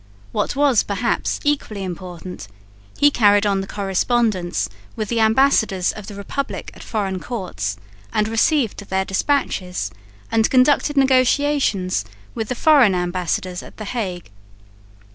What was perhaps equally important, he carried on the correspondence with the ambassadors of the republic at foreign courts, and received their despatches, and conducted negotiations with the foreign ambassadors at the Hague.